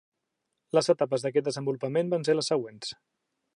Les etapes d’aquest desenvolupament van ser les següents.